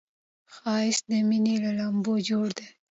ښایست د مینې له لمبو جوړ دی